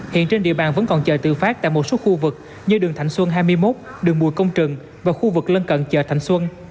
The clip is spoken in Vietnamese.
hiện trên địa bàn vẫn còn chờ tự phát tại một số khu vực như đường thạnh xuân hai mươi một đường bùi công trường và khu vực lân cận chợ thành xuân